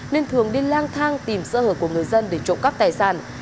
nên thường đi lang thang tìm sơ hở của người dân để trộm cắp tài sản